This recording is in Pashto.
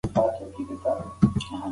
شاه شجاع په لاهور کي انتظار کاوه.